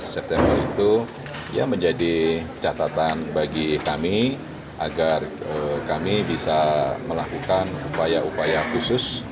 september itu menjadi catatan bagi kami agar kami bisa melakukan upaya upaya khusus